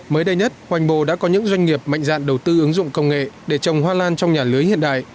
mới đây nhất hoành bồ đã có những doanh nghiệp mạnh dạn đầu tư ứng dụng công nghệ để trồng hoa lan trong nhà lưới hiện đại